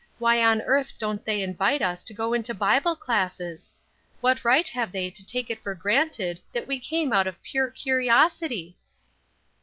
Why on earth don't they invite us to go into Bible classes? What right have they to take it for granted that we came out of pure curiosity?"